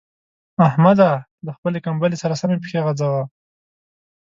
احمده! له خپلې کمبلې سره سمې پښې غځوه.